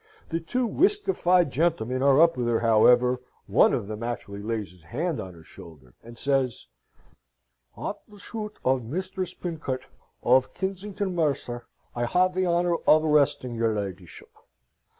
The two whiskified gentlemen are up with her, however; one of them actually lays his hand on her shoulder, and says: "At the shuit of Misthress Pincott, of Kinsington, mercer, I have the honour of arresting your leedyship.